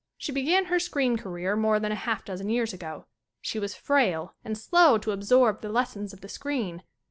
She began her screen career more than a half dozen years ago. She was frail, and slow to absorb the lessons of the screen.